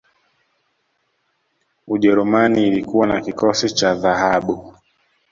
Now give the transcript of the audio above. ujerumani ilikuwa na kikosi cha dhahabu